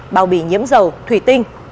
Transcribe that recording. bao bì nhiễm dầu thủy tinh